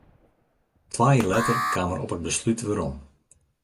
Twa jier letter kaam er op it beslút werom.